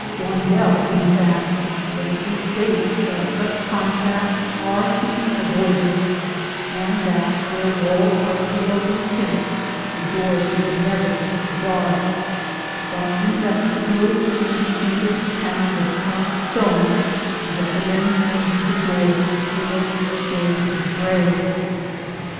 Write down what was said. Blondel, in fact, expressly states that such contrasts are to be avoided, and that where walls are pale in tint the door should never be dark: thus in vestibules and antechambers panelled with Caen stone he recommends painting the doors a pale shade of gray.